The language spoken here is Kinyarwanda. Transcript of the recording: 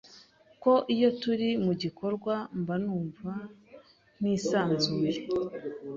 ko iyo turi mu gikorwa mba numva ntisanzuye